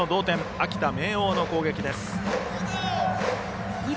秋田・明桜の攻撃です。